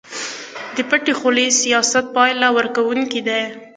د پټې خولې سياست پايله ورکوونکی دی.